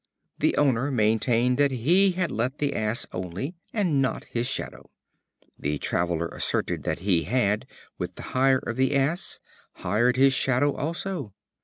The owner maintained that he had let the Ass only, and not his Shadow. The traveler asserted that he had, with the hire of the Ass, hired his Shadow also.